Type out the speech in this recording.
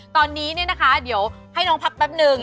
ตอนนี้เนี่ยนะคะเดี๋ยวให้น้องพักแป๊บนึง